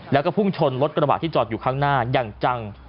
แล้วก็พุ่งชนรถกระบะที่จอดอยู่ข้างหน้าอย่างจัง